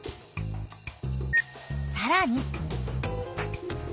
さらに。